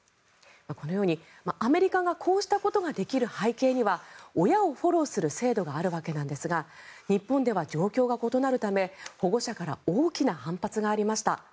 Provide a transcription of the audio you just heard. このようにアメリカがこうしたことができる背景には親をフォローする制度があるわけなんですが日本では状況が異なるため保護者から大きな反発がありました。